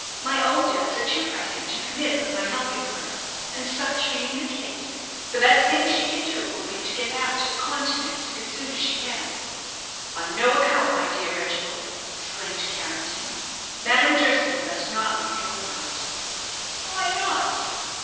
My own debts are too pressing to permit of my helping her; and such being the case, the best thing she can do will be to get back to the Continent as soon as she can." "On no account, my dear Reginald!" exclaimed Carrington. "Madame Durski must not leave Hilton House." "Why not?"